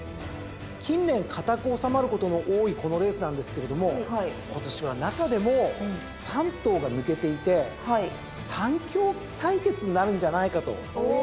近年堅く収まることの多いこのレースなんですけれども今年は中でも３頭がぬけていて３強対決になるんじゃないかと僕は思ってるんですよ。